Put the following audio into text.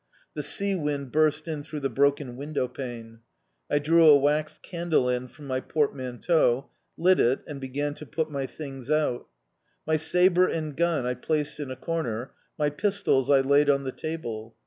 The sea wind burst in through the broken window pane. I drew a wax candle end from my portmanteau, lit it, and began to put my things out. My sabre and gun I placed in a corner, my pistols I laid on the table.